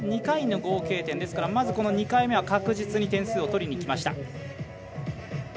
２回の合計点ですから２回目は確実に点数を取りにきました。